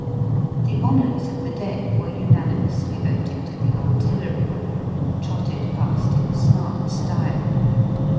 The honours of the day were unanimously voted to the artillery, who trotted past in smart style.